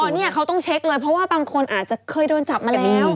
นี่เขาต้องเช็คเลยเพราะว่าบางคนอาจจะเคยโดนจับมาแล้ว